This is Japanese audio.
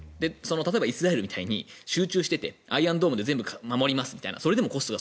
例えばイスラエルみたいに集中しててアイアンドームで全部守りますとか。